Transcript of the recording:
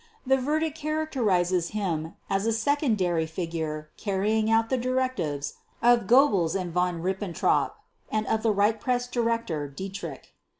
The verdict characterizes him as a secondary figure carrying out the directives of Goebbels and Von Ribbentrop, and of the Reich Press Director Dietrich.